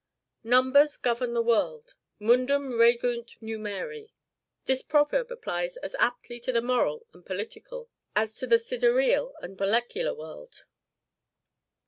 Numbers govern the world mundum regunt numeri. This proverb applies as aptly to the moral and political, as to the sidereal and molecular, world.